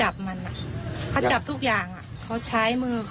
และที่สำคัญก็มีอาจารย์หญิงในอำเภอภูสิงอีกเหมือนกัน